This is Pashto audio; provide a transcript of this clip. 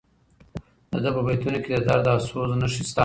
د ده په بیتونو کې د درد او سوز نښې شته.